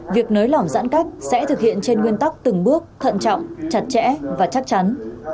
việc nới lỏng giãn cách sẽ thực hiện trên nguyên tắc từng bước thận trọng chặt chẽ và chắc chắn